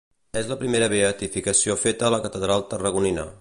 És la primera beatificació feta a la catedral tarragonina.